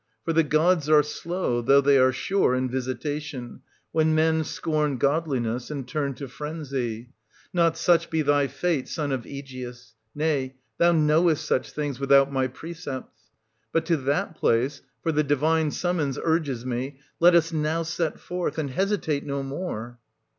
For the gods are slow, though they are sure, in visitation, when men scorn godliness, and turn to frenzy. Not such be thy fate, son of Aegeus. — Nay, thou knowest such things, without my precepts. But to that place — for the divine summons urges 1540 me — let us now set forth, and hesitate no more.